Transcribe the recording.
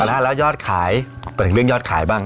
เอาล่ะแล้วยอดขายเป็นเรื่องยอดขายบ้าง